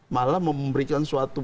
malah memberikan suatu